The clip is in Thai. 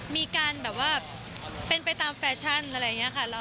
มีการแบบว่าเป็นไปตามแฟชั่นอะไรอย่างนี้ค่ะ